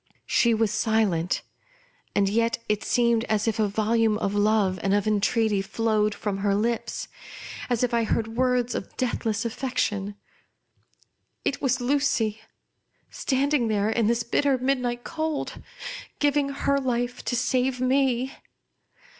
She was silent, and yet it seemed as if a volume of love and of entreaty flowed from her lips ; as if I heard words of death less affection. It was Lucy ; standing there in this bitter midnight cold — giving her life to save me.